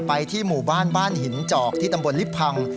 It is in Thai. ที่หมู่บ้านบ้านหินจอกที่ตำบลลิพัง